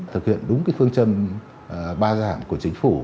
thực hiện đúng phương châm ba dạng của chính phủ